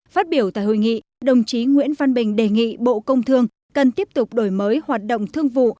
phát biểu tại hội nghị đồng chí nguyễn văn bình đề nghị bộ công thương cần tiếp tục đổi mới hoạt động thương vụ